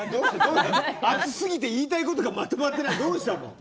熱すぎて言いたいことがまとまってない、どうしたの？